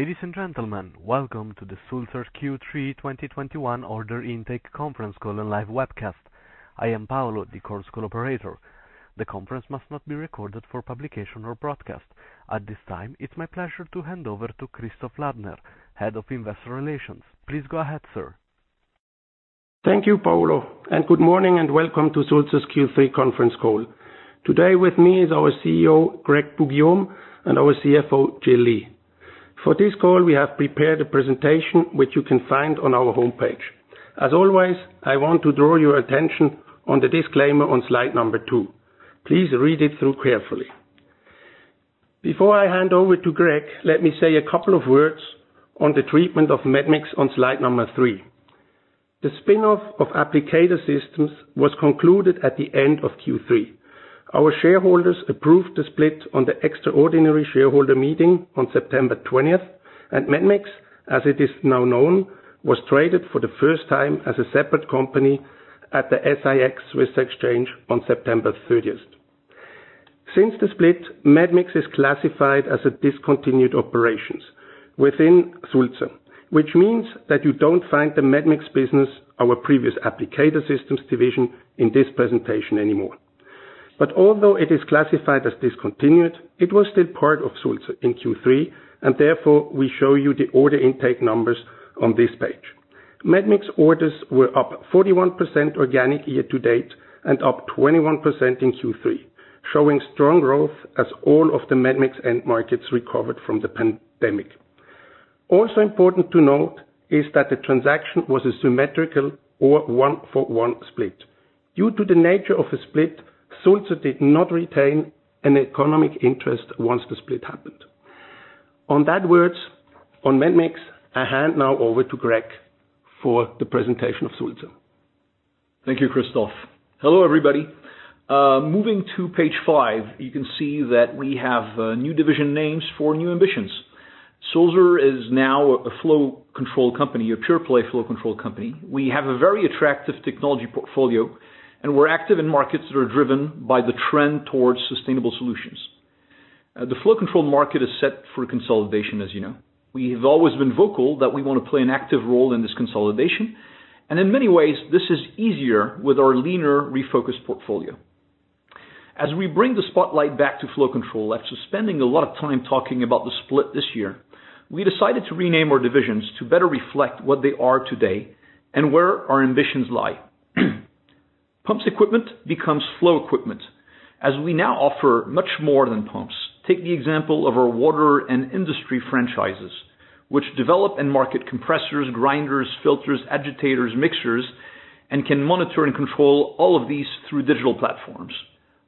Ladies and gentlemen, welcome to Sulzer's Q3 2021 Order Intake Conference Call and Live Webcast. I am Paolo, the conference call operator. The conference must not be recorded for publication or broadcast. At this time, it's my pleasure to hand over to Christoph Ladner, Head of Investor Relations. Please go ahead, sir. Thank you, Paolo, and good morning and welcome to Sulzer's Q3 conference call. Today with me is our CEO, Greg Poux-Guillaume, and our CFO, Jill Lee. For this call, we have prepared a presentation which you can find on our homepage. As always, I want to draw your attention on the disclaimer on slide number two. Please read it through carefully. Before I hand over to Greg, let me say a couple of words on the treatment of medmix on slide number three. The spin-off of Applicator Systems was concluded at the end of Q3. Our shareholders approved the split on the extraordinary shareholder meeting on September 20, and medmix, as it is now known, was traded for the first time as a separate company at the SIX Swiss Exchange on September 30. Since the split, medmix is classified as a discontinued operations within Sulzer, which means that you don't find the medmix business, our previous Applicator Systems division, in this presentation anymore. Although it is classified as discontinued, it was still part of Sulzer in Q3, and therefore, we show you the order intake numbers on this page. Medmix orders were up 41% organic year-to-date and up 21% in Q3, showing strong growth as all of the medmix end markets recovered from the pandemic. Also important to note is that the transaction was a symmetrical or 1-for-1 split. Due to the nature of the split, Sulzer did not retain an economic interest once the split happened. On that note on medmix, I now hand over to Greg for the presentation of Sulzer. Thank you, Christoph. Hello, everybody. Moving to page five, you can see that we have new division names for new ambitions. Sulzer is now a flow control company, a pure play flow control company. We have a very attractive technology portfolio, and we're active in markets that are driven by the trend towards sustainable solutions. The flow control market is set for consolidation, as you know. We have always been vocal that we want to play an active role in this consolidation, and in many ways, this is easier with our leaner refocused portfolio. As we bring the spotlight back to flow control, after spending a lot of time talking about the split this year, we decided to rename our divisions to better reflect what they are today and where our ambitions lie. Pumps Equipment becomes Flow Equipment, as we now offer much more than pumps. Take the example of our Water and Industry franchises, which develop and market compressors, grinders, filters, agitators, mixers, and can monitor and control all of these through digital platforms.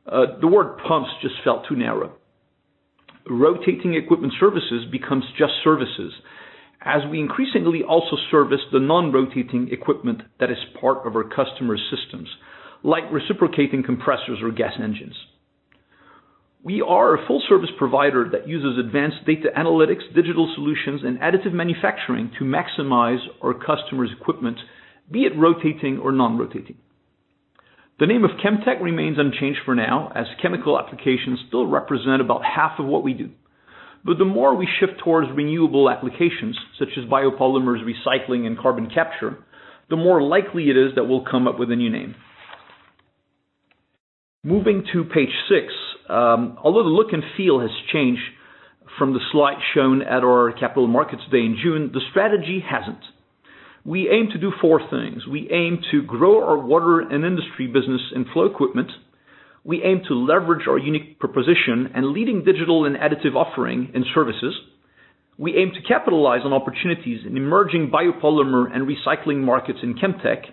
The word pumps just felt too narrow. Rotating Equipment Services becomes just Services, as we increasingly also service the non-rotating equipment that is part of our customer systems, like reciprocating compressors or gas engines. We are a full service provider that uses advanced data analytics, digital solutions, and additive manufacturing to maximize our customers' equipment, be it rotating or non-rotating. The name of Chemtech remains unchanged for now, as chemical applications still represent about half of what we do. The more we shift towards renewable applications, such as biopolymers, recycling, and carbon capture, the more likely it is that we'll come up with a new name. Moving to page six, although the look and feel has changed from the slide shown at our Capital Markets Day in June, the strategy hasn't. We aim to do four things. We aim to grow our Water and Industry business in Flow Equipment. We aim to leverage our unique proposition and leading digital and additive offering in Services. We aim to capitalize on opportunities in emerging biopolymer and recycling markets in Chemtech.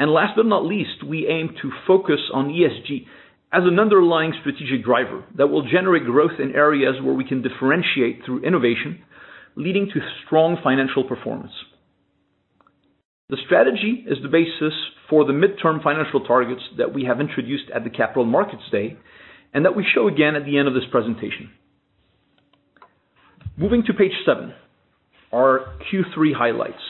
Last but not least, we aim to focus on ESG as an underlying strategic driver that will generate growth in areas where we can differentiate through innovation, leading to strong financial performance. The strategy is the basis for the midterm financial targets that we have introduced at the Capital Markets Day and that we show again at the end of this presentation. Moving to page seven, our Q3 highlights.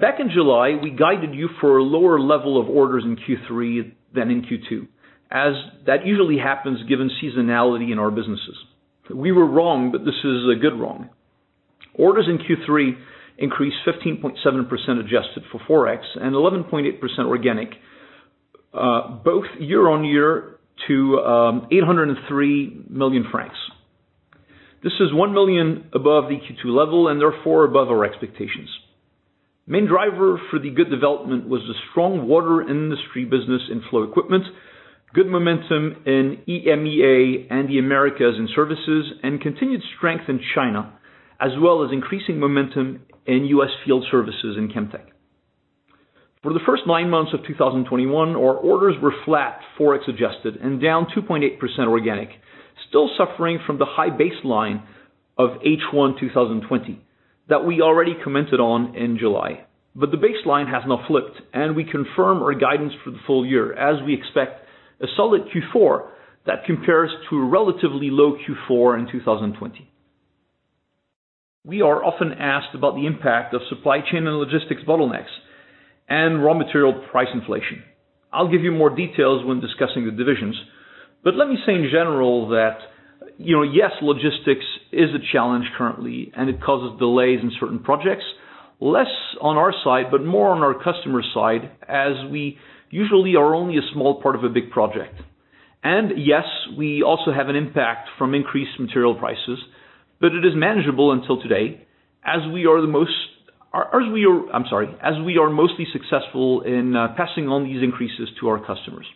Back in July, we guided you for a lower level of orders in Q3 than in Q2, as that usually happens given seasonality in our businesses. We were wrong, but this is a good wrong. Orders in Q3 increased 15.7% adjusted for FX and 11.8% organic, both year-on-year to 803 million francs. This is 1 million above the Q2 level and therefore above our expectations. Main driver for the good development was the strong water industry business in Flow Equipment, good momentum in EMEA and the Americas in Services, and continued strength in China, as well as increasing momentum in U.S. field services in Chemtech. For the first nine months of 2021, our orders were flat FX-adjusted and down 2.8% organic, still suffering from the high baseline of H1 2020 that we already commented on in July. The baseline has now flipped, and we confirm our guidance for the full year as we expect a solid Q4 that compares to a relatively low Q4 in 2020. We are often asked about the impact of supply chain and logistics bottlenecks and raw material price inflation. I'll give you more details when discussing the divisions. Let me say in general that, you know, yes, logistics is a challenge currently, and it causes delays in certain projects, less on our side, but more on our customer side, as we usually are only a small part of a big project. Yes, we also have an impact from increased material prices, but it is manageable until today as we are mostly successful in passing on these increases to our customers.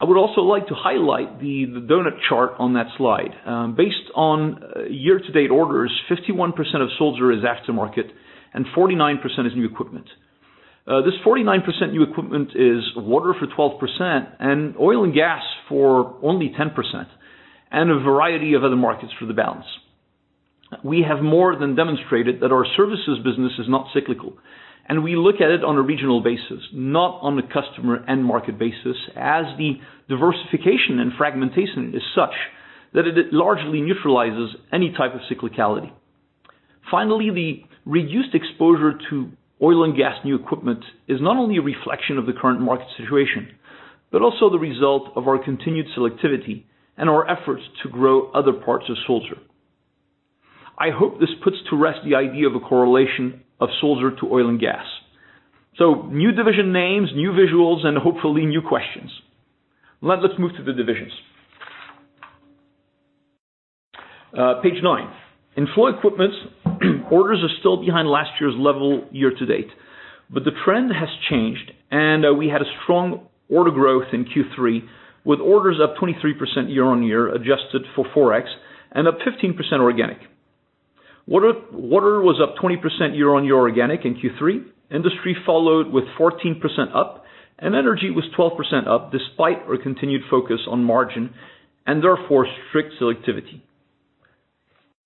I would also like to highlight the donut chart on that slide. Based on year-to-date orders, 51% of Sulzer is aftermarket and 49% is new equipment. This 49% new equipment is Water for 12% and oil and gas for only 10%, and a variety of other markets for the balance. We have more than demonstrated that our Services business is not cyclical, and we look at it on a regional basis, not on a customer and market basis, as the diversification and fragmentation is such that it largely neutralizes any type of cyclicality. Finally, the reduced exposure to oil and gas new equipment is not only a reflection of the current market situation, but also the result of our continued selectivity and our efforts to grow other parts of Sulzer. I hope this puts to rest the idea of a correlation of Sulzer to oil and gas. New division names, new visuals, and hopefully new questions. Now let's move to the divisions. Page nine. In Flow Equipment, orders are still behind last year's level year-to-date, but the trend has changed, and we had a strong order growth in Q3 with orders up 23% year-on-year, adjusted for FX, and up 15% organic. Water was up 20% year-on-year organic in Q3. Industry followed with 14% up, and energy was 12% up despite our continued focus on margin and therefore strict selectivity.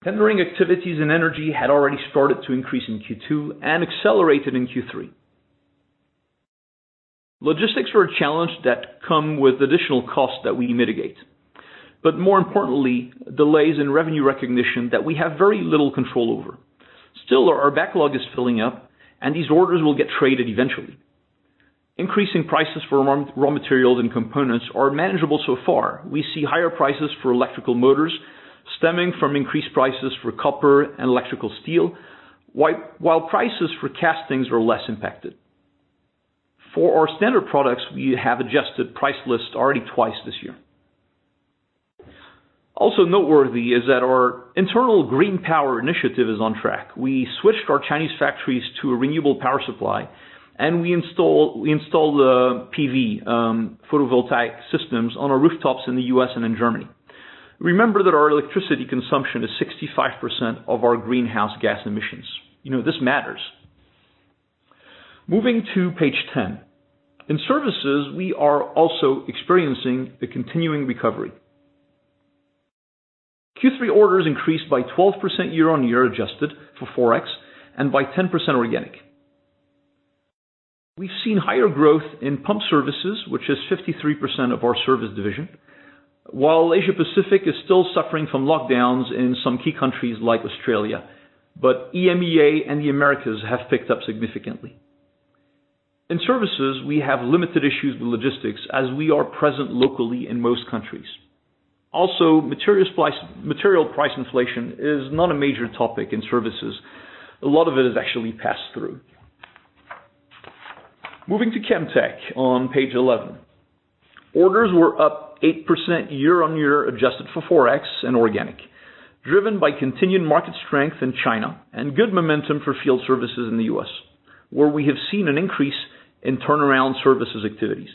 Tendering activities and energy had already started to increase in Q2 and accelerated in Q3. Logistics were a challenge that come with additional costs that we mitigate, but more importantly, delays in revenue recognition that we have very little control over. Still, our backlog is filling up and these orders will get traded eventually. Increasing prices for raw materials and components are manageable so far. We see higher prices for electrical motors stemming from increased prices for copper and electrical steel, while prices for castings are less impacted. For our standard products, we have adjusted price lists already twice this year. Also noteworthy is that our internal Green Power initiative is on track. We switched our Chinese factories to a renewable power supply, and we installed PV photovoltaic systems on our rooftops in the U.S. and in Germany. Remember that our electricity consumption is 65% of our greenhouse gas emissions. You know, this matters. Moving to page 10. In Services, we are also experiencing the continuing recovery. Q3 orders increased by 12% year-on-year, adjusted for FX, and by 10% organic. We've seen higher growth in Pump Services, which is 53% of our Service division, while Asia Pacific is still suffering from lockdowns in some key countries like Australia. EMEA and the Americas have picked up significantly. In Services, we have limited issues with logistics as we are present locally in most countries. Also, material price inflation is not a major topic in Services. A lot of it is actually passed through. Moving to Chemtech on page 11. Orders were up 8% year-on-year, adjusted for FX and organic, driven by continued market strength in China and good momentum for field services in the U.S., where we have seen an increase in turnaround services activities.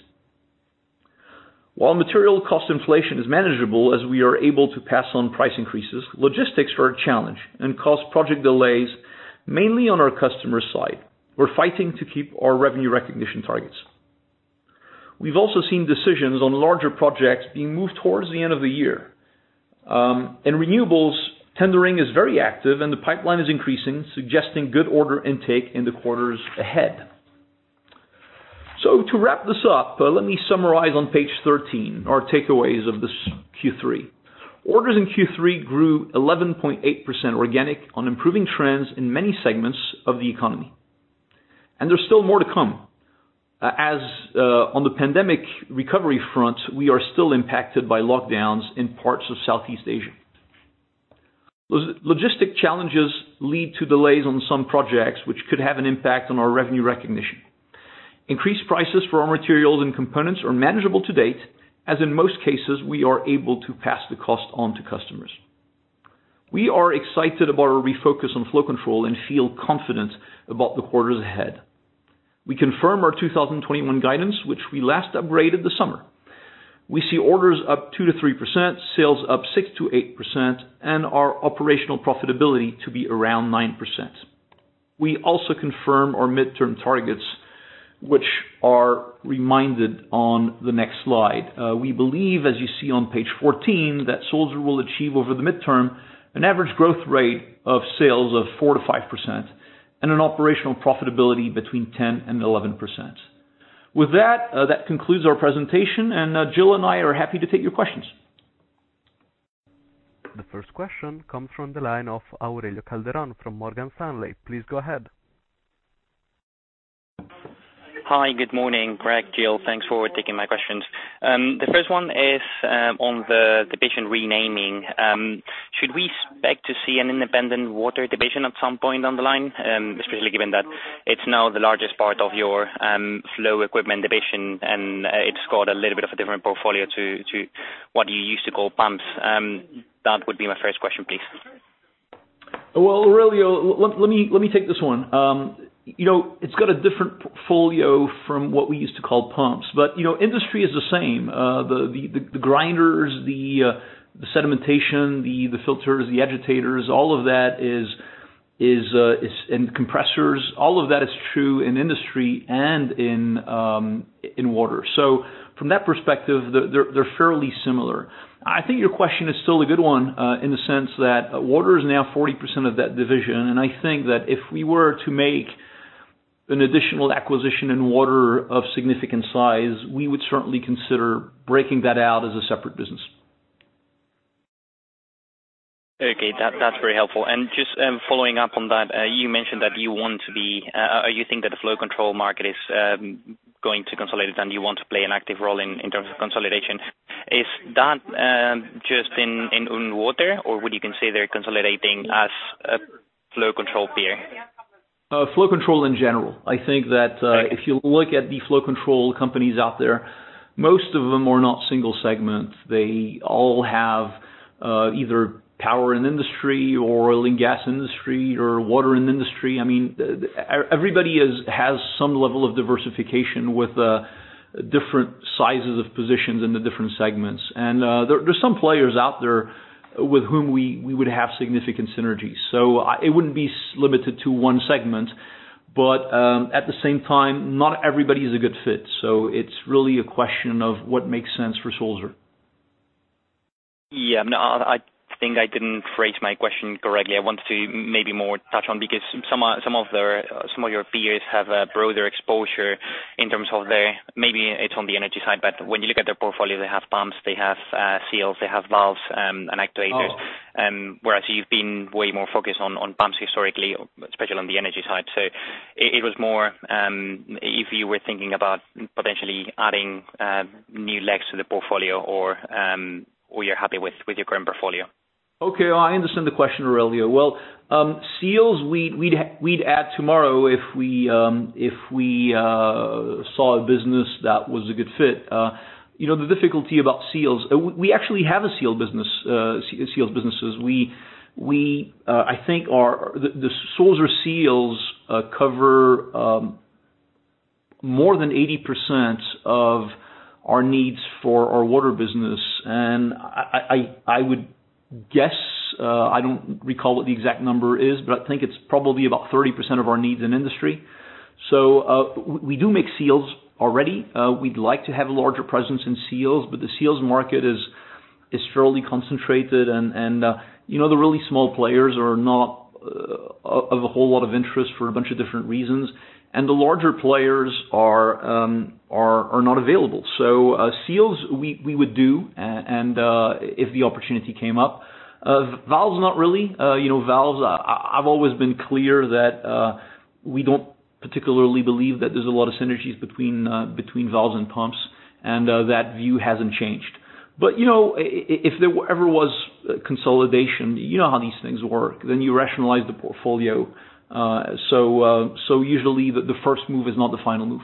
While material cost inflation is manageable as we are able to pass on price increases, logistics are a challenge and cause project delays, mainly on our customer side. We're fighting to keep our revenue recognition targets. We've also seen decisions on larger projects being moved towards the end of the year. In renewables, tendering is very active and the pipeline is increasing, suggesting good order intake in the quarters ahead. To wrap this up, let me summarize on page 13 our takeaways of this Q3. Orders in Q3 grew 11.8% organic on improving trends in many segments of the economy. There's still more to come. As on the pandemic recovery front, we are still impacted by lockdowns in parts of Southeast Asia. Logistic challenges lead to delays on some projects which could have an impact on our revenue recognition. Increased prices for our materials and components are manageable to date, as in most cases, we are able to pass the cost on to customers. We are excited about our refocus on flow control and feel confident about the quarters ahead. We confirm our 2021 guidance, which we last upgraded this summer. We see orders up 2%-3%, sales up 6%-8%, and our operational profitability to be around 9%. We also confirm our midterm targets, which are reminded on the next slide. We believe, as you see on page 14, that Sulzer will achieve over the midterm an average growth rate of sales of 4%-5% and an operational profitability between 10% and 11%. With that concludes our presentation, and Jill and I are happy to take your questions. The first question comes from the line of Aurelio Calderon from Morgan Stanley. Please go ahead. Hi, good morning, Greg, Jill. Thanks for taking my questions. The first one is on the division renaming. Should we expect to see an independent water division at some point down the line, especially given that it's now the largest part of your Flow Equipment division and it's got a little bit of a different portfolio to what you used to call pumps? That would be my first question, please. Well, Aurelio, let me take this one. You know, it's got a different portfolio from what we used to call Pumps, but, you know, industry is the same. The grinders, the sedimentation, the filters, the agitators, all of that is and compressors, all of that is true in Industry and in Water. So from that perspective, they're fairly similar. I think your question is still a good one, in the sense that Water is now 40% of that division, and I think that if we were to make an additional acquisition in Water of significant size, we would certainly consider breaking that out as a separate business. Okay. That's very helpful. Just following up on that, you think that the flow control market is going to consolidate and you want to play an active role in terms of consolidation. Is that just in Water or would you consider consolidating as a flow control peer? Flow control in general. I think that- Okay. ...if you look at the flow control companies out there, most of them are not single segment. They all have either power in industry or oil and gas industry or water in industry. I mean, everybody has some level of diversification with different sizes of positions in the different segments. There's some players out there with whom we would have significant synergies. It wouldn't be limited to one segment. At the same time, not everybody is a good fit, so it's really a question of what makes sense for Sulzer. Yeah. No, I think I didn't phrase my question correctly. I wanted to maybe more touch on because some of your peers have a broader exposure in terms of their maybe it's on the energy side, but when you look at their portfolio, they have pumps, they have seals, they have valves, and agitators. Oh. Whereas you've been way more focused on pumps historically, especially on the energy side. It was more if you were thinking about potentially adding new legs to the portfolio or you're happy with your current portfolio. Okay. I understand the question, Aurelio. Well, seals, we'd add tomorrow if we saw a business that was a good fit. You know, the difficulty about seals. We actually have a seal business, seals businesses. I think our the Sulzer seals cover more than 80% of our needs for our Water business. I would guess, I don't recall what the exact number is, but I think it's probably about 30% of our needs in industry. We do make seals already. We'd like to have a larger presence in seals, but the seals market is fairly concentrated and, you know, the really small players are not of a whole lot of interest for a bunch of different reasons. The larger players are not available. Seals, we would do if the opportunity came up. Valves not really. You know, valves, I've always been clear that we don't particularly believe that there's a lot of synergies between valves and pumps, and that view hasn't changed. You know, if there ever was consolidation, you know how these things work, then you rationalize the portfolio. Usually the first move is not the final move.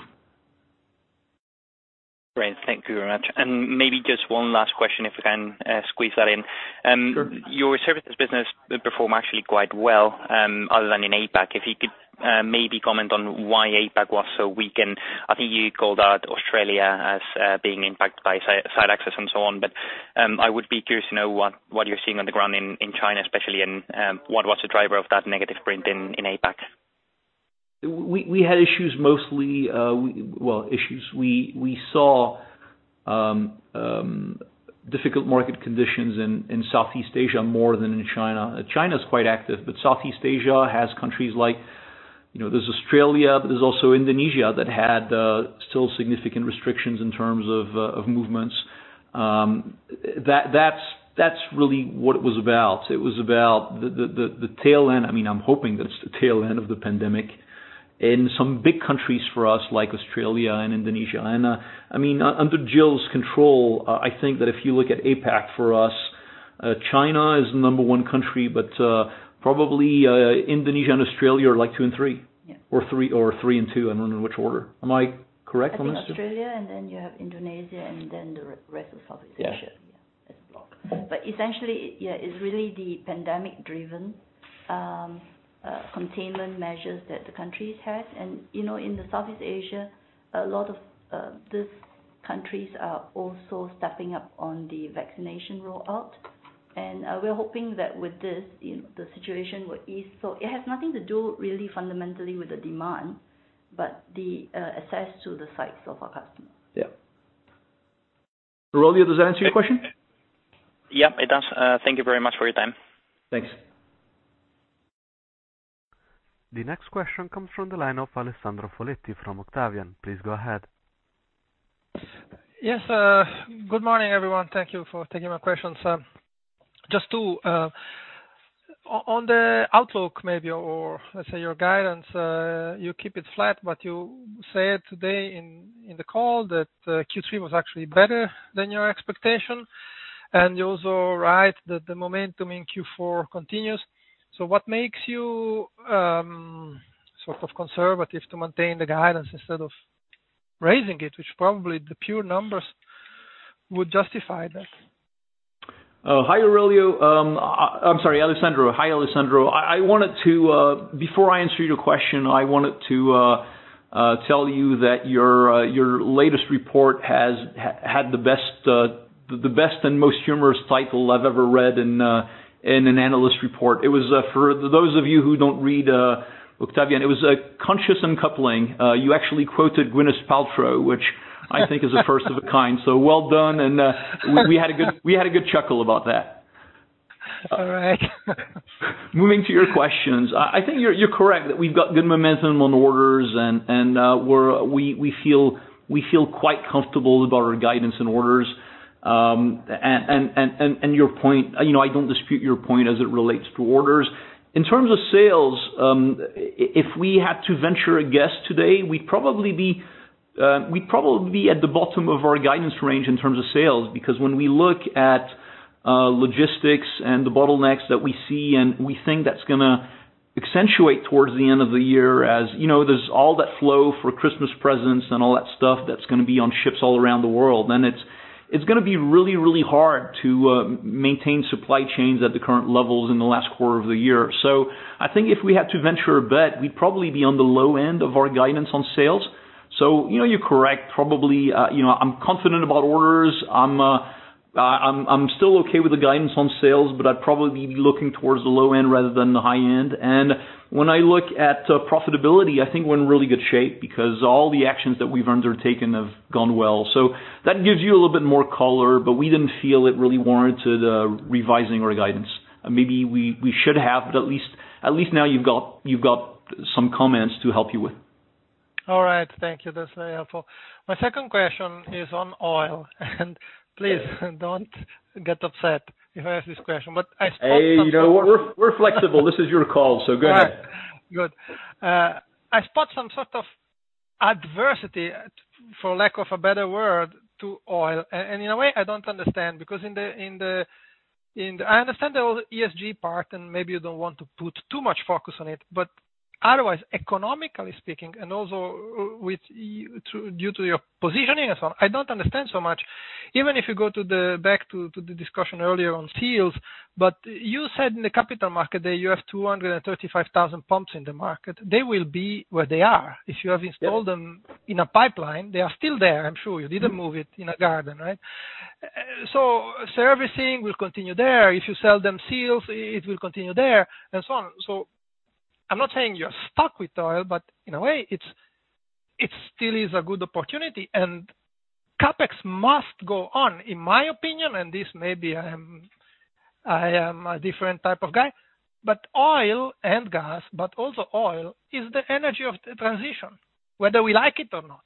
Great. Thank you very much. Maybe just one last question, if we can, squeeze that in. Sure. Your Services business perform actually quite well, other than in APAC. If you could, maybe comment on why APAC was so weak, and I think you called out Australia as being impacted by site access and so on. I would be curious to know what you're seeing on the ground in China especially, and what was the driver of that negative print in APAC. We had issues mostly. Issues. We saw difficult market conditions in Southeast Asia more than in China. China's quite active, but Southeast Asia has countries like, you know, there's Australia, but there's also Indonesia that had still significant restrictions in terms of movements. That's really what it was about. It was about the tail end. I mean, I'm hoping that it's the tail end of the pandemic in some big countries for us, like Australia and Indonesia. I mean, under Jill's control, I think that if you look at APAC for us, China is number one country, but probably Indonesia and Australia are like two and three. Yeah. Three and two, I don't know which order. Am I correct on this, Jill? I think Australia, and then you have Indonesia, and then the rest of Southeast Asia. Yeah. Yeah. It's blocked. Essentially, yeah, it's really the pandemic-driven containment measures that the countries has. You know, in Southeast Asia, a lot of these countries are also stepping up on the vaccination rollout. We're hoping that with this, you know, the situation will ease. It has nothing to do really fundamentally with the demand, but the access to the sites of our customers. Yeah. Aurelio, does that answer your question? Yeah, it does. Thank you very much for your time. Thanks. The next question comes from the line of Alessandro Foletti from Octavian. Please go ahead. Yes, good morning, everyone. Thank you for taking my questions. Just to on the outlook maybe, or let's say your guidance, you keep it flat, but you said today in the call that Q3 was actually better than your expectation, and you also write that the momentum in Q4 continues. What makes you sort of conservative to maintain the guidance instead of raising it, which probably the pure numbers would justify that? Hi, Aurelio. I'm sorry, Alessandro. Hi, Alessandro. Before I answer your question, I wanted to tell you that your latest report has had the best and most humorous title I've ever read in an analyst report. It was, for those of you who don't read Octavian, Conscious Uncoupling. You actually quoted Gwyneth Paltrow, which I think is a first of its kind. Well done, and we had a good chuckle about that. All right. Moving to your questions. I think you're correct that we've got good momentum on orders, and we feel quite comfortable about our guidance and orders. And your point, you know, I don't dispute your point as it relates to orders. In terms of sales, if we had to venture a guess today, we'd probably be at the bottom of our guidance range in terms of sales. Because when we look at logistics and the bottlenecks that we see, and we think that's gonna accentuate towards the end of the year, as you know, there's all that flow for Christmas presents and all that stuff that's gonna be on ships all around the world. It's gonna be really hard to maintain supply chains at the current levels in the last quarter of the year. I think if we had to venture a bet, we'd probably be on the low end of our guidance on sales. You know, you're correct, probably. You know, I'm confident about orders. I'm still okay with the guidance on sales, but I'd probably be looking towards the low end rather than the high end. When I look at profitability, I think we're in really good shape because all the actions that we've undertaken have gone well. That gives you a little bit more color, but we didn't feel it really warranted revising our guidance. Maybe we should have, but at least now you've got some comments to help you with. All right. Thank you. That's very helpful. My second question is on oil. Please don't get upset if I ask this question, but I spot some sort of- Hey, you know, we're flexible. This is your call, so go ahead. All right. Good. I spot some sort of adversity, for lack of a better word, to oil. And in a way I don't understand, because in the... I understand the whole ESG part, and maybe you don't want to put too much focus on it. Otherwise, economically speaking, and also with due to your positioning and so on, I don't understand so much. Even if you go back to the discussion earlier on seals, but you said in the Capital Markets Day that you have 235,000 pumps in the market. They will be where they are. If you have installed them in a pipeline, they are still there, I'm sure. You didn't move it in a garden, right? Servicing will continue there. If you sell them seals, it will continue there, and so on. I'm not saying you're stuck with oil, but in a way it's, it still is a good opportunity, and CapEx must go on, in my opinion. This may be I am a different type of guy. Oil and gas, but also oil, is the energy of the transition, whether we like it or not.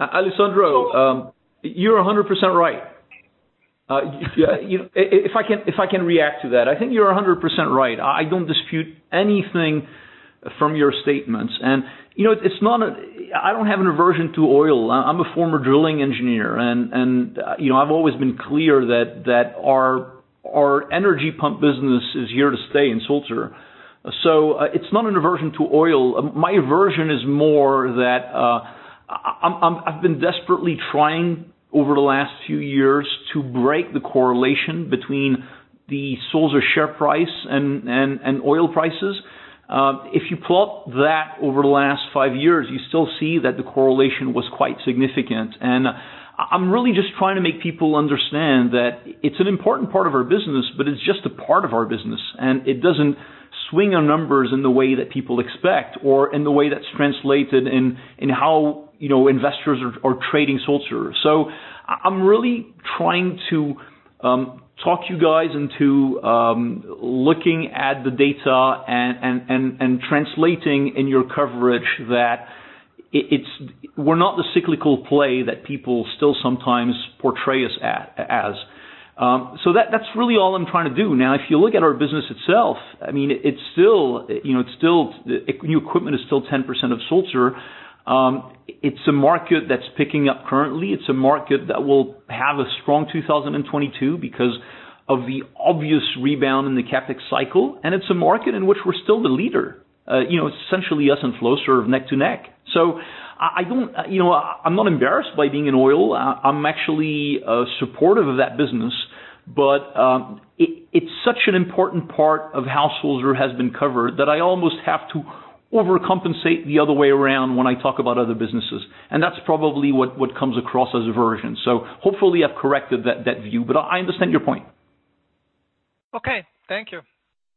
Alessandro, you're 100% right. If I can react to that. I think you're 100% right. I don't dispute anything from your statements. You know, I don't have an aversion to oil. I'm a former drilling engineer and, you know, I've always been clear that our energy pump business is here to stay in Sulzer. It's not an aversion to oil. My aversion is more that I've been desperately trying over the last few years to break the correlation between the Sulzer share price and oil prices. If you plot that over the last five years, you still see that the correlation was quite significant. I'm really just trying to make people understand that it's an important part of our business, but it's just a part of our business, and it doesn't swing our numbers in the way that people expect or in the way that's translated in how, you know, investors are trading Sulzer. I'm really trying to talk to you guys into looking at the data and translating in your coverage that we're not the cyclical play that people still sometimes portray us as. That's really all I'm trying to do. Now, if you look at our business itself, I mean, it's still, you know, it's still. New equipment is still 10% of Sulzer. It's a market that's picking up currently. It's a market that will have a strong 2022 because of the obvious rebound in the CapEx cycle. It's a market in which we're still the leader. You know, essentially us and Flowserve neck-to-neck. I don't. You know, I'm not embarrassed by being in oil. I'm actually supportive of that business. It's such an important part of how Sulzer has been covered that I almost have to overcompensate the other way around when I talk about other businesses, and that's probably what comes across as aversion. Hopefully I've corrected that view, but I understand your point. Okay. Thank you.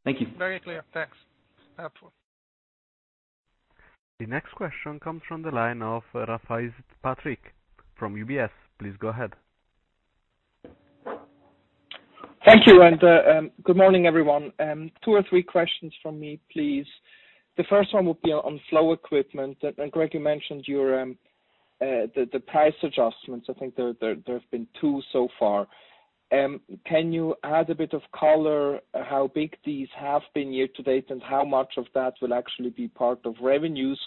Thank you. Very clear. Thanks. Helpful. The next question comes from the line of Patrick Rafaisz from UBS. Please go ahead. Thank you. Good morning, everyone. Two or three questions from me, please. The first one would be on Flow Equipment. Greg, you mentioned the price adjustments. I think there have been two so far. Can you add a bit of color how big these have been year-to-date, and how much of that will actually be part of revenues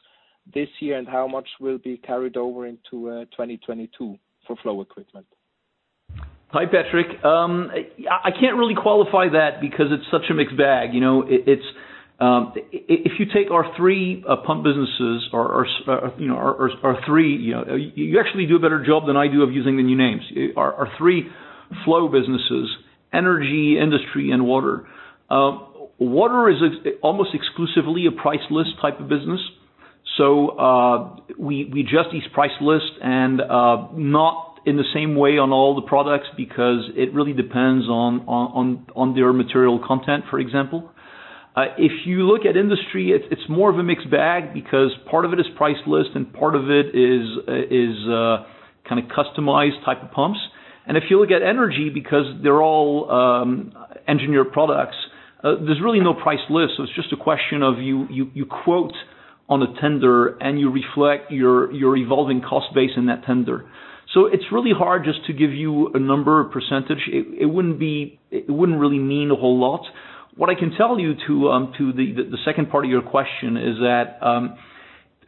this year, and how much will be carried over into 2022 for Flow Equipment? Hi, Patrick. I can't really qualify that because it's such a mixed bag, you know? If you take our three pump businesses or, you know, our three. You actually do a better job than I do of using the new names. Our three Flow businesses, Energy, Industry, and Water. Water is almost exclusively a price list type of business. We adjust these price lists not in the same way on all the products because it really depends on their material content, for example. If you look at Industry, it's more of a mixed bag because part of it is price list and part of it is kind of customized type of pumps. If you look at Energy, because they're all engineered products, there's really no price list. It's just a question of you quote on a tender and you reflect your evolving cost base in that tender. It's really hard just to give you a number or percentage. It wouldn't really mean a whole lot. What I can tell you, to the second part of your question, is that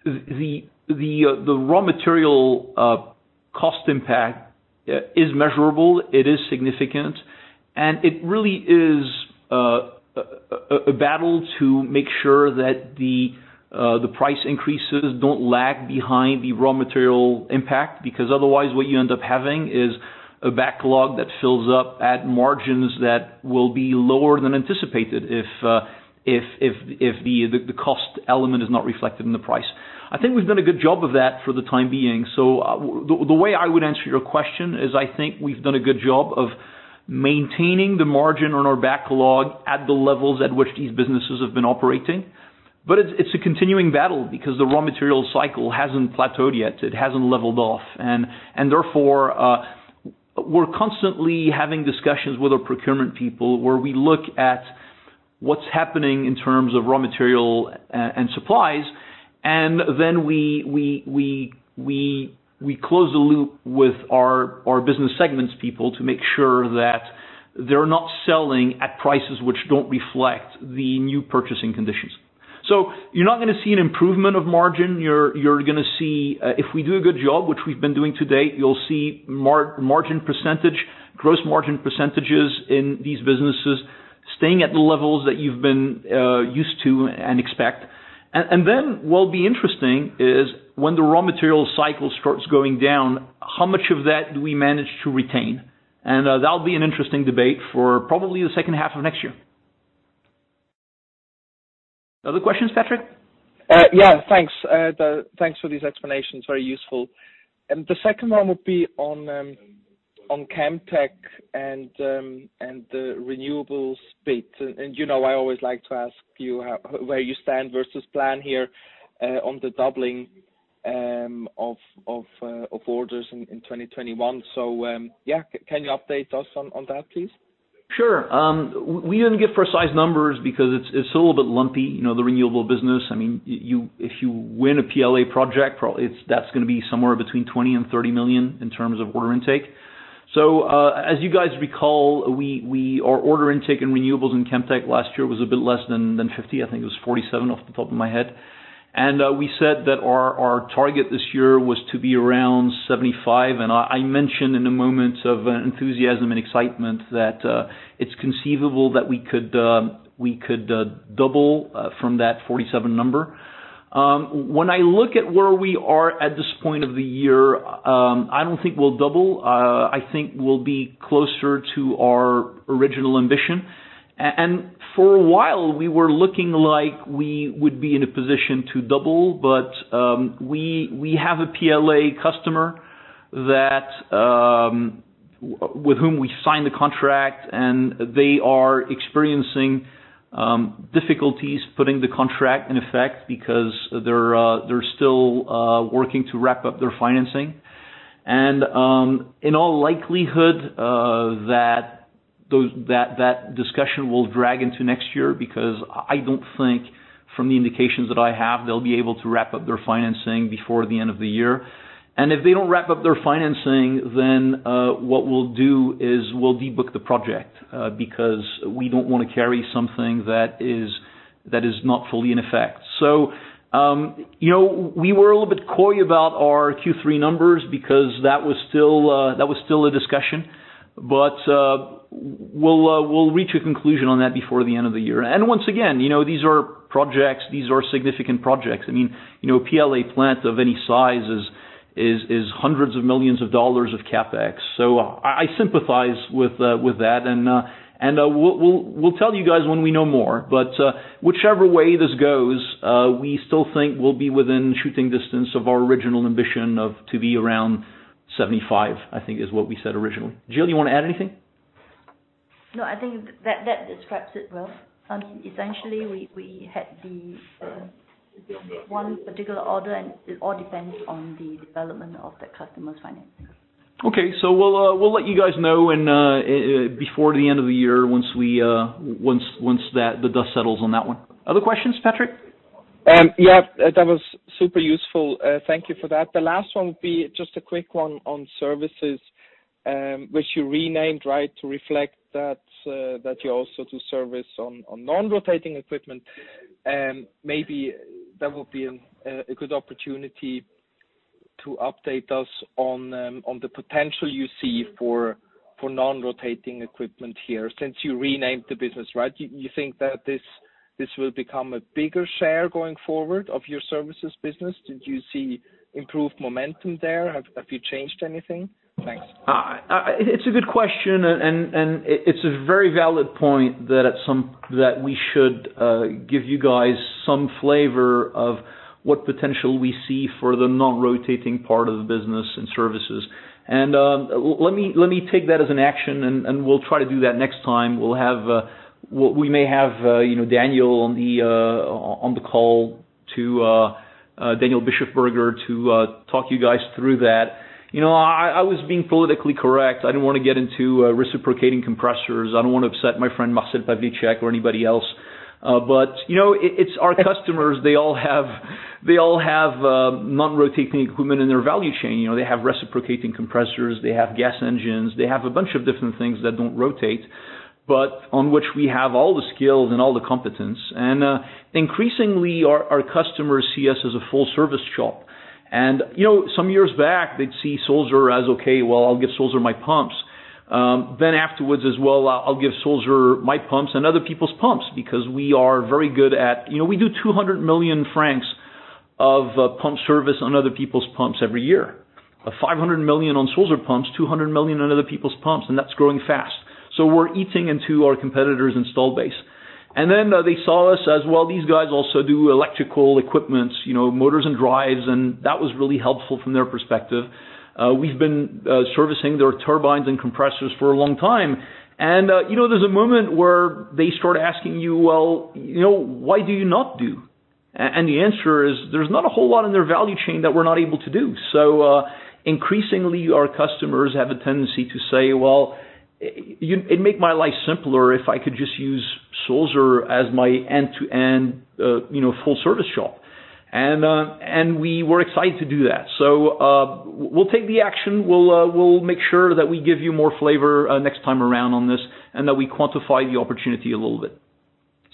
the raw material cost impact is measurable, it is significant, and it really is a battle to make sure that the price increases don't lag behind the raw material impact. Because otherwise what you end up having is a backlog that fills up at margins that will be lower than anticipated if the cost element is not reflected in the price. I think we've done a good job of that for the time being. The way I would answer your question is I think we've done a good job of maintaining the margin on our backlog at the levels at which these businesses have been operating. It's a continuing battle because the raw material cycle hasn't plateaued yet. It hasn't leveled off. Therefore, we're constantly having discussions with our procurement people where we look at what's happening in terms of raw material and supplies, and then we close the loop with our business segments people to make sure that they're not selling at prices which don't reflect the new purchasing conditions. You're not gonna see an improvement of margin. You're gonna see, if we do a good job, which we've been doing to date, you'll see margin percentage, gross margin percentages in these businesses staying at the levels that you've been used to and expect. Then what will be interesting is when the raw material cycle starts going down, how much of that do we manage to retain? That'll be an interesting debate for probably the second half of next year. Other questions, Patrick? Yeah, thanks. Thanks for these explanations. Very useful. The second one would be on Chemtech and the renewables bit. You know I always like to ask you how, where you stand versus plan here, on the doubling of orders in 2021. Yeah, can you update us on that, please? Sure. We didn't give precise numbers because it's a little bit lumpy, you know, the renewable business. I mean, if you win a PLA project, it's that's gonna be somewhere between 20 million and 30 million in terms of order intake. As you guys recall, our order intake in renewables in Chemtech last year was a bit less than 50. I think it was 47 off the top of my head. We said that our target this year was to be around 75. I mentioned in the moment of enthusiasm and excitement that it's conceivable that we could double from that 47 number. When I look at where we are at this point of the year, I don't think we'll double. I think we'll be closer to our original ambition. For a while we were looking like we would be in a position to double. We have a PLA customer with whom we signed the contract, and they are experiencing difficulties putting the contract in effect because they're still working to wrap up their financing. In all likelihood, that discussion will drag into next year, because I don't think, from the indications that I have, they'll be able to wrap up their financing before the end of the year. If they don't wrap up their financing, what we'll do is we'll de-book the project, because we don't wanna carry something that is not fully in effect. You know, we were a little bit coy about our Q3 numbers because that was still a discussion. We'll reach a conclusion on that before the end of the year. Once again, you know, these are projects, these are significant projects. I mean, you know, a PLA plant of any size is hundreds of millions of dollars of CapEx. I sympathize with that. We'll tell you guys when we know more. Whichever way this goes, we still think we'll be within shooting distance of our original ambition of to be around 75, I think is what we said originally. Jill, you wanna add anything? No, I think that describes it well. Essentially, we had the one particular order and it all depends on the development of that customer's financing. Okay, we'll let you guys know before the end of the year once the dust settles on that one. Other questions, Patrick? Yeah, that was super useful. Thank you for that. The last one will be just a quick one on Services, which you renamed, right, to reflect that you also do service on non-rotating equipment. Maybe that would be a good opportunity to update us on the potential you see for non-rotating equipment here since you renamed the business, right? Do you think that this will become a bigger share going forward of your Services business? Did you see improved momentum there? Have you changed anything? Thanks. It's a good question and it's a very valid point that we should give you guys some flavor of what potential we see for the non-rotating part of the business and Services. Let me take that as an action, and we'll try to do that next time. We may have, you know, Daniel Bischofberger on the call to talk you guys through that. You know, I was being politically correct. I didn't wanna get into reciprocating compressors. I don't wanna upset my friend Marcel Pawlicek or anybody else. You know, it's our customers, they all have non-rotating equipment in their value chain. You know, they have reciprocating compressors, they have gas engines, they have a bunch of different things that don't rotate, but on which we have all the skills and all the competence. Increasingly our customers see us as a full service shop. You know, some years back, they'd see Sulzer as, "Okay, well, I'll give Sulzer my pumps." Then afterwards as, "Well, I'll give Sulzer my pumps and other people's pumps," because we are very good at. You know, we do 200 million francs of pump service on other people's pumps every year. Of 500 million on Sulzer pumps, 200 million on other people's pumps, and that's growing fast. We're eating into our competitors' installed base. Then they saw us as, well, these guys also do electrical equipment, you know, motors and drives, and that was really helpful from their perspective. We've been servicing their turbines and compressors for a long time. You know, there's a moment where they start asking you, "Well, you know, why do you not do?" The answer is, there's not a whole lot in their value chain that we're not able to do. Increasingly our customers have a tendency to say, "Well, you'd make my life simpler if I could just use Sulzer as my end-to-end, you know, full service shop." We were excited to do that. We'll take the action. We'll make sure that we give you more flavor next time around on this and that we quantify the opportunity a little bit.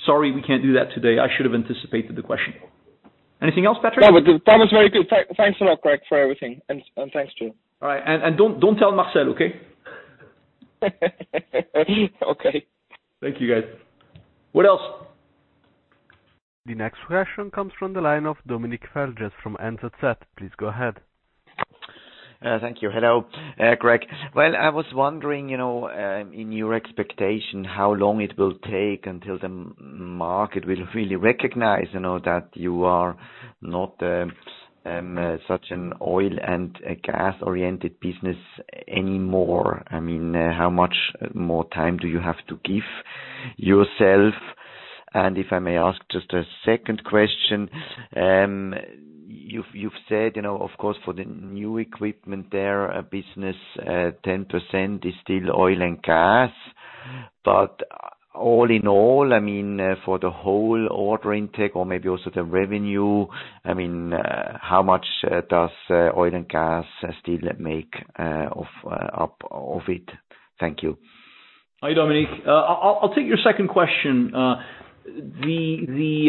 Sorry, we can't do that today. I should have anticipated the question. Anything else, Patrick? No, the promise is very good. Thanks a lot, Greg, for everything. Thanks to you. All right. Don't tell Marcel, okay? Okay. Thank you, guys. What else? The next question comes from the line of Dominic Farges from ZKB. Please go ahead. Thank you. Hello, Greg. Well, I was wondering, you know, in your expectation, how long it will take until the market will really recognize, you know, that you are not such an oil and gas-oriented business anymore. I mean, how much more time do you have to give yourself? And if I may ask just a second question, you've said, you know, of course, for the new equipment there, a business, 10% is still oil and gas. But all in all, I mean, for the whole order intake or maybe also the revenue, I mean, how much does oil and gas still make up of it? Thank you. Hi, Dominic. I'll take your second question. The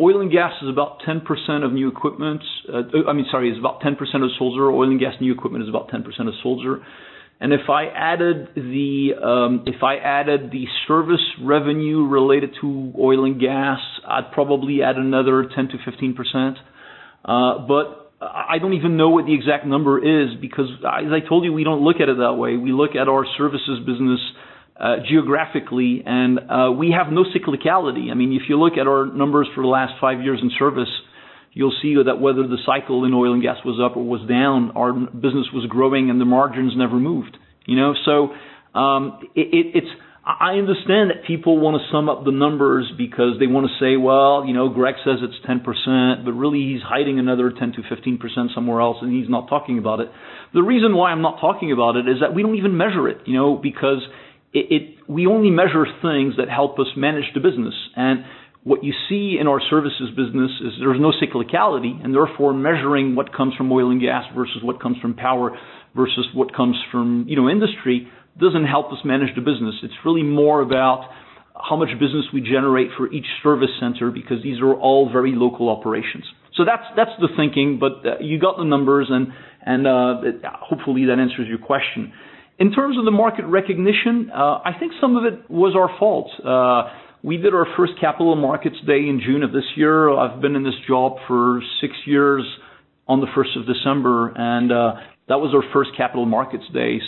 oil and gas is about 10% of new equipment. I mean, sorry, it's about 10% of Sulzer. Oil and gas new equipment is about 10% of Sulzer. If I added the service revenue related to oil and gas, I'd probably add another 10%-15%. I don't even know what the exact number is because as I told you, we don't look at it that way. We look at our Services business geographically, and we have no cyclicality. I mean, if you look at our numbers for the last five years in service, you'll see that whether the cycle in oil and gas was up or was down, our business was growing and the margins never moved, you know? I understand that people wanna sum up the numbers because they wanna say, "Well, you know, Greg says it's 10%, but really he's hiding another 10%-15% somewhere else, and he's not talking about it." The reason why I'm not talking about it is that we don't even measure it, you know, because we only measure things that help us manage the business. What you see in our Services business is there's no cyclicality, and therefore, measuring what comes from oil and gas versus what comes from power versus what comes from, you know, industry doesn't help us manage the business. It's really more about how much business we generate for each service center because these are all very local operations. That's the thinking. You got the numbers and hopefully that answers your question. In terms of the market recognition, I think some of it was our fault. We did our first Capital Markets Day in June of this year. I've been in this job for six years on the first of December, and that was our first Capital Markets Day.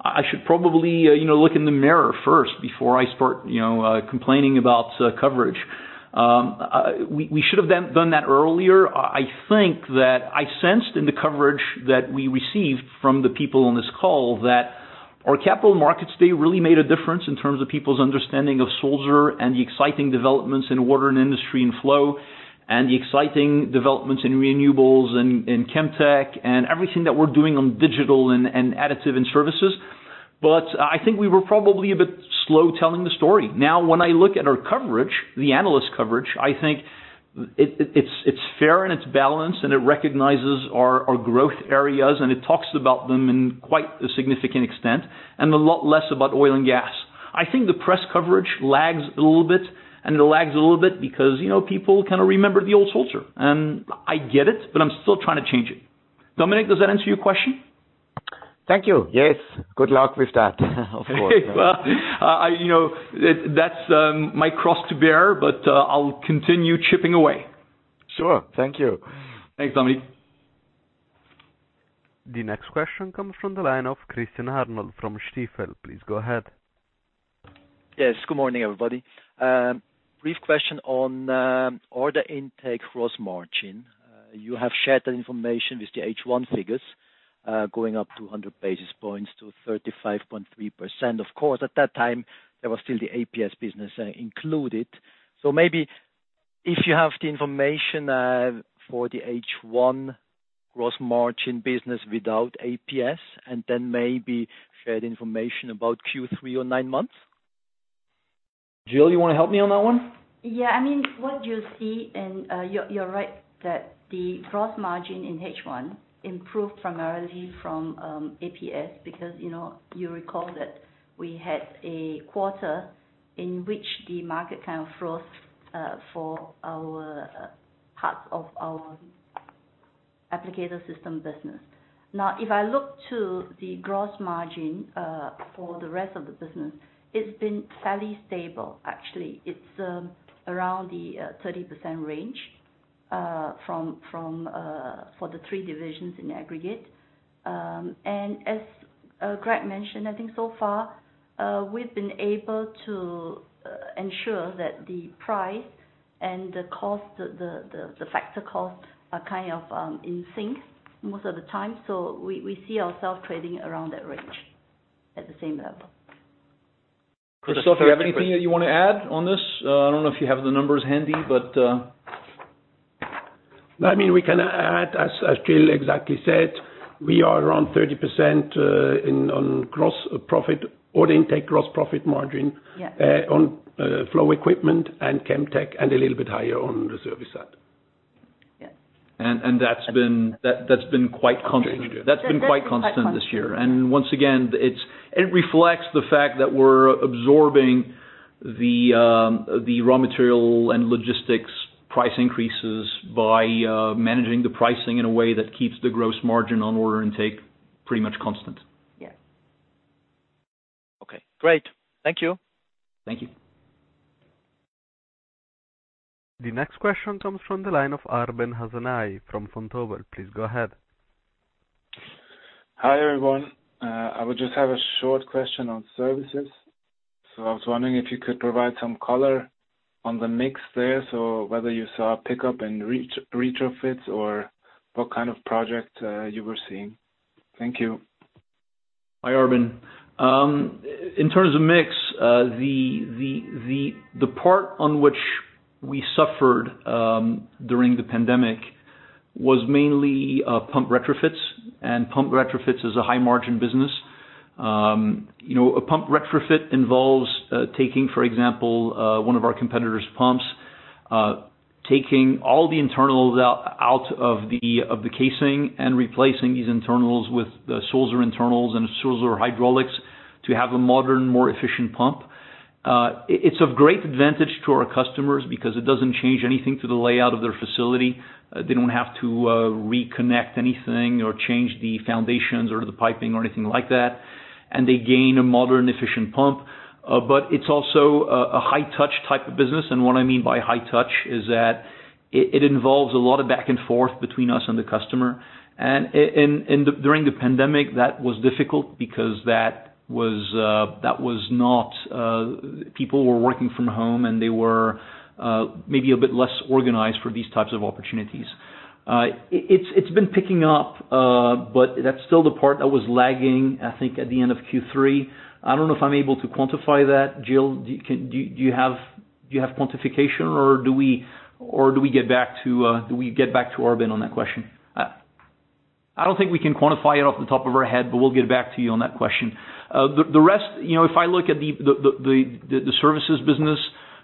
I should probably, you know, look in the mirror first before I start, you know, complaining about coverage. We should have done that earlier. I think that I sensed in the coverage that we received from the people on this call that our Capital Markets Day really made a difference in terms of people's understanding of Sulzer and the exciting developments in Water and Industry and Flow, and the exciting developments in renewables and Chemtech and everything that we're doing on digital and additive and services. I think we were probably a bit slow telling the story. Now when I look at our coverage, the analyst coverage, I think it's fair and it's balanced, and it recognizes our growth areas, and it talks about them in quite a significant extent, and a lot less about oil and gas. I think the press coverage lags a little bit, and it lags a little bit because, you know, people kind of remember the old Sulzer. I get it, but I'm still trying to change it. Dominic, does that answer your question? Thank you. Yes. Good luck with that. Of course. Well, you know, that's my cross to bear, but I'll continue chipping away. Sure. Thank you. Thanks, Dominic. The next question comes from the line of Christian Arnold from Stifel. Please go ahead. Yes. Good morning, everybody. Brief question on order intake gross margin. You have shared that information with the H1 figures, going up to 100 basis points to 35.3%. Of course, at that time, there was still the APS business included. Maybe if you have the information for the H1 gross margin business without APS, and then maybe share the information about Q3 or nine months. Jill, you wanna help me on that one? Yeah. I mean, what you see and, you're right that the gross margin in H1 improved primarily from APS because, you know, you recall that we had a quarter in which the market kind of froze for our parts of our applicator system business. Now, if I look to the gross margin for the rest of the business, it's been fairly stable. Actually, it's around the 30% range for the three divisions in aggregate. As Greg mentioned, I think so far, we've been able to ensure that the price and the cost, the factor cost are kind of in sync most of the time. We see ourself trading around that range at the same level. Christoph, do you have anything that you wanna add on this? I don't know if you have the numbers handy, but... I mean, we can add. As Jill exactly said, we are around 30% in on gross profit or intake gross profit margin. Yes. On Flow Equipment and Chemtech, and a little bit higher on the Service side. Yes. That's been quite constant this year. That's been quite constant. Once again, it reflects the fact that we're absorbing the raw material and logistics price increases by managing the pricing in a way that keeps the gross margin on order intake pretty much constant. Yes. Okay. Great. Thank you. Thank you. The next question comes from the line of Arben Hasanaj from Vontobel. Please go ahead. Hi, everyone. I would just have a short question on Services. I was wondering if you could provide some color on the mix there, whether you saw a pickup in retrofits or what kind of project you were seeing. Thank you. Hi, Arben. In terms of mix, the part on which we suffered during the pandemic was mainly pump retrofits, and pump retrofits is a high margin business. You know, a pump retrofit involves taking, for example, one of our competitors' pumps, taking all the internals out of the casing and replacing these internals with the Sulzer internals and Sulzer hydraulics to have a modern, more efficient pump. It's of great advantage to our customers because it doesn't change anything to the layout of their facility. They don't have to reconnect anything or change the foundations or the piping or anything like that, and they gain a modern efficient pump. It's also a high touch type of business. What I mean by high touch is that it involves a lot of back and forth between us and the customer. During the pandemic, that was difficult because people were working from home, and they were maybe a bit less organized for these types of opportunities. It's been picking up, but that's still the part that was lagging, I think, at the end of Q3. I don't know if I'm able to quantify that. Jill, do you have quantification or do we get back to Arben on that question? I don't think we can quantify it off the top of our head, but we'll get back to you on that question. The rest, you know, if I look at the Services business,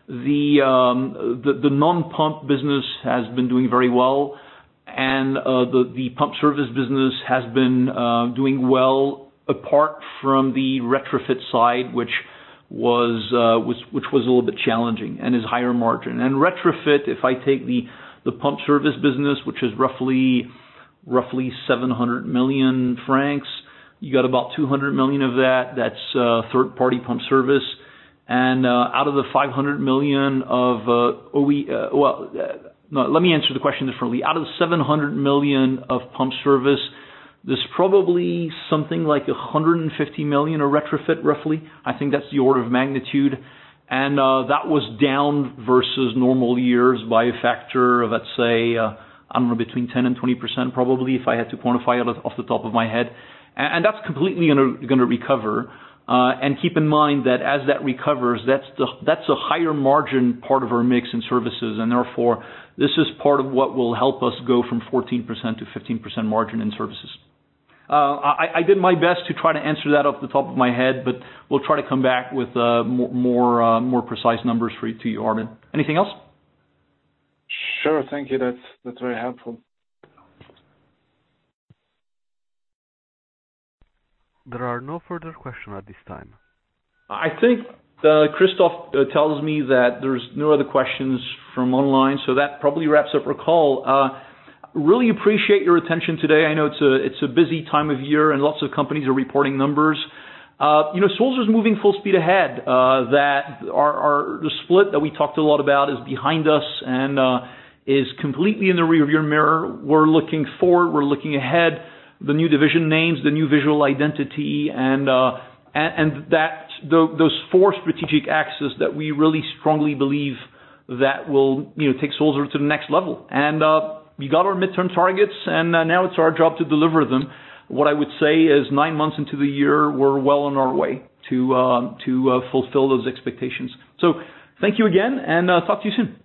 the non-pump business has been doing very well. The pump service business has been doing well apart from the retrofit side, which was a little bit challenging and is higher margin. Retrofit, if I take the pump service business, which is roughly 700 million francs, you got about 200 million of that. That's third-party pump service. Out of the 500 million of OEM— Well, no. Let me answer the question differently. Out of the 700 million of pump service, there's probably something like 150 million are retrofit, roughly. I think that's the order of magnitude. That was down versus normal years by a factor of, let's say, I don't know, between 10% and 20% probably, if I had to quantify it off the top of my head. That's completely gonna recover. Keep in mind that as that recovers, that's a higher margin part of our mix in Services, and therefore, this is part of what will help us go from 14% to 15% margin in Services. I did my best to try to answer that off the top of my head, but we'll try to come back with more precise numbers for you too, Arben. Anything else? Sure. Thank you. That's very helpful. There are no further questions at this time. I think, Christoph tells me that there's no other questions from online, so that probably wraps up our call. Really appreciate your attention today. I know it's a busy time of year and lots of companies are reporting numbers. You know, Sulzer's moving full speed ahead. That our split that we talked a lot about is behind us and is completely in the rear view mirror. We're looking forward, we're looking ahead. The new division names, the new visual identity, and that those four strategic axes that we really strongly believe that will, you know, take Sulzer to the next level. We got our midterm targets, and now it's our job to deliver them. What I would say is nine months into the year, we're well on our way to fulfill those expectations. Thank you again, and talk to you soon.